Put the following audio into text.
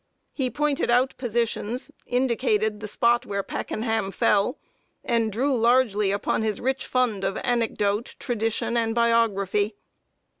He pointed out positions, indicated the spot where Packenham fell, and drew largely upon his rich fund of anecdote, tradition, and biography.